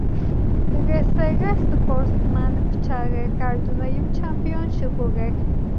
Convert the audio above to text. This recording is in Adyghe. Iğeseğe sportsmên pççağexer dunaim çêmpion şıxhuğex.